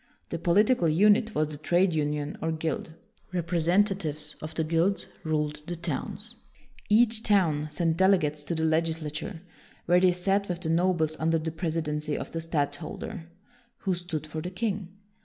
The political unit was the trade union or guild. Representatives of the guilds ruled the towns. Each town sent delegates to the WILLIAM THE SILENT 177 legislature, where they sat with the nobles under the presidency of the stadtholder, who stood for the king.